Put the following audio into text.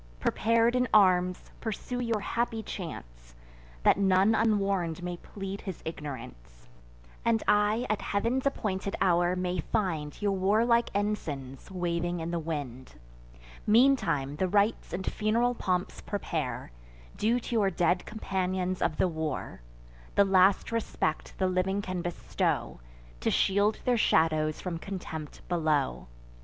Prepar'd in arms, pursue your happy chance; That none unwarn'd may plead his ignorance, And I, at Heav'n's appointed hour, may find Your warlike ensigns waving in the wind. Meantime the rites and fun'ral pomps prepare, Due to your dead companions of the war: The last respect the living can bestow, To shield their shadows from contempt below.